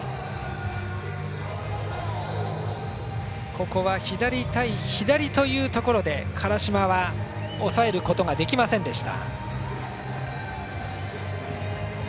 ここは左対左というところで辛島は抑えることができませんでした。